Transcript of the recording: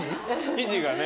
生地がね。